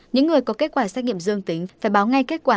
những người có kết quả xét nghiệm dương tính phải báo ngay kết quả